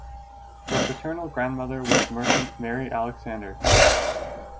Her paternal grandmother was merchant Mary Alexander.